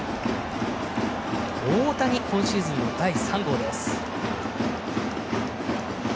太田に今シーズン第３号です。